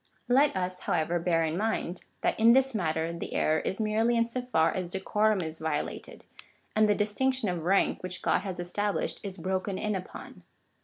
Let us, however, bear in mind, that in this matter the error is merely in so far as decorum is violated, and the distinc tion of rank which God has established, is broken in upon.